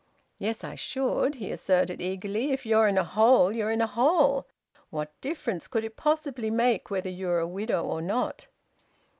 "Yes, I should!" he asserted eagerly. "If you're in a hole, you're in a hole. What difference could it possibly make whether you were a widow or not?"